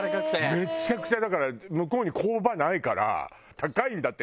めっちゃくちゃだから向こうに工場ないから高いんだって。